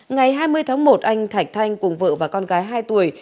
ngày hai mươi tháng một anh thạch thanh cùng vợ và con gái hai tuổi